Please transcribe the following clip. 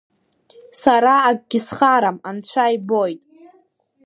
Сара акгьы схарам, анцәа ибоит…